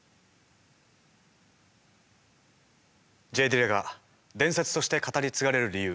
Ｊ・ディラが伝説として語り継がれる理由。